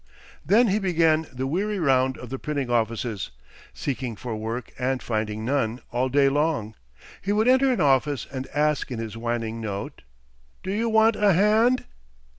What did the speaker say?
Then he began the weary round of the printing offices, seeking for work and finding none, all day long. He would enter an office and ask in his whining note: "Do you want a hand?"